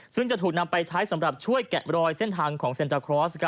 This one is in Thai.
ซึ่งจะถูกนำไปใช้สำหรับช่วยแกะรอยเส้นทางของเซ็นตาครอส